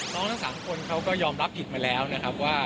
ทั้ง๓คนเขาก็ยอมรับผิดมาแล้วนะครับว่า